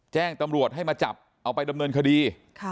แจ้งตำรวจให้มาจับเอาไปดำเนินคดี